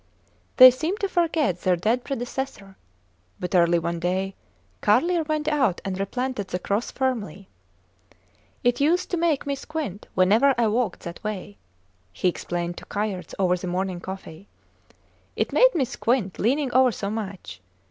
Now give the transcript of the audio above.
They seemed to forget their dead predecessor; but, early one day, Carlier went out and replanted the cross firmly. It used to make me squint whenever I walked that way, he explained to Kayerts over the morning coffee. It made me squint, leaning over so much.